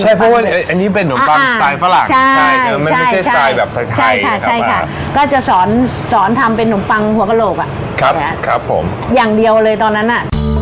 ใช่เพราะว่าอันนี้เป็นนมปังสไตล์ฝรั่งใช่มันไม่ใช่สไตล์แบบไทยใช่ค่ะใช่ค่ะก็จะสอนสอนทำเป็นนมปังหัวกระโหลกอ่ะครับผมอย่างเดียวเลยตอนนั้นอ่ะ